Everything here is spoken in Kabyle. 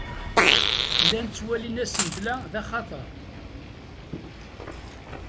Llan ttwalin asentel-a d axatar.